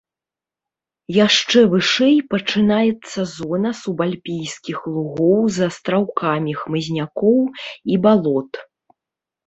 Яшчэ вышэй пачынаецца зона субальпійскіх лугоў з астраўкамі хмызнякоў і балот.